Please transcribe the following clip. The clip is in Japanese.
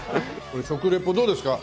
食リポどうですか？